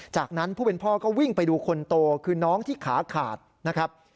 จากนั้นผู้เป็นพ่อก็วิ่งไปดูคนโตคือน้องที่ขาขาดนะครับ